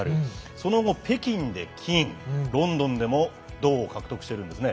その後、北京で金ロンドンでも銅を獲得しているんです。